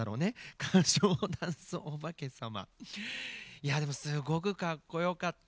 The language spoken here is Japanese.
いやでもすごくかっこよかった。